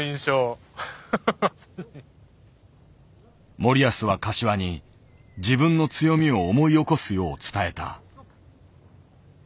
森保は柏に自分の強みを思い起こすよう伝えた。